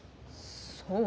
そう？